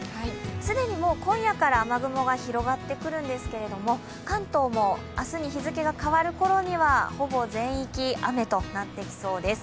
既に今夜から雨雲が広がってくるんですけど関東も、明日に日付が変わる頃にはほぼ全域、雨となってきそうです。